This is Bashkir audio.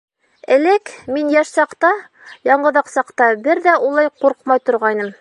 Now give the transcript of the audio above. Элек, мин йәш саҡта, яңғыҙаҡ саҡта, бер ҙә улай ҡурҡмай торғайным.